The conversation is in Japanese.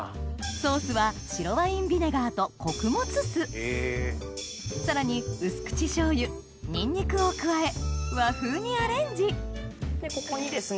ソースは白ワインビネガーと穀物酢さらに薄口醤油ニンニクを加え和風にアレンジここにですね